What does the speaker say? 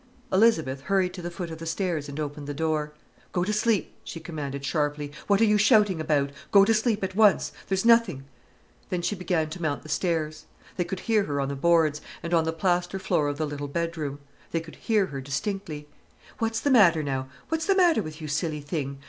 Elizabeth hurried to the foot of the stairs and opened the door: "Go to sleep!" she commanded sharply. "What are you shouting about? Go to sleep at once—there's nothing——" Then she began to mount the stairs. They could hear her on the boards, and on the plaster floor of the little bedroom. They could hear her distinctly: "What's the matter now?—what's the matter with you, silly thing?"